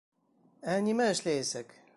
Ә нимә эшләйәсәк?